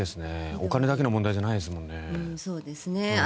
お金だけの問題じゃないですもんね。